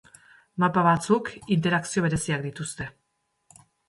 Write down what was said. Mapa batzuk interakzio bereziak dituzte.